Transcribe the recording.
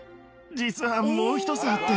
実はもう一つあって。